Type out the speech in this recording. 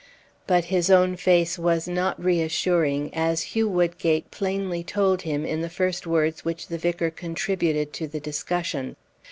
But his own face was not reassuring, as Hugh Woodgate plainly told him in the first words which the vicar contributed to the discussion.